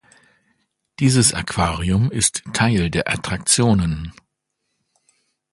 Dieses Aquarium ist Teil der Attraktionen.